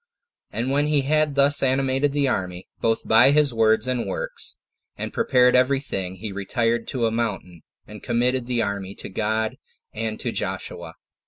And when he had thus animated the army, both by his words and works, and prepared every thing, he retired to a mountain, and committed the army to God and to Joshua.